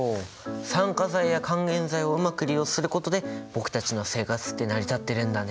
酸化剤や還元剤をうまく利用することで僕たちの生活って成り立ってるんだね。